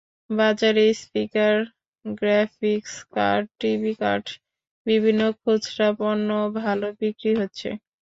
বাজারে speaker, graphics card, TV কার্ডসহ বিভিন্ন খুচরা পণ্য ভালো বিক্রি হচ্ছে।